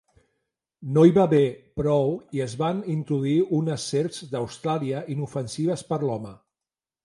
No n'hi va haver prou i es van introduir unes serps d'Austràlia inofensives per l'home.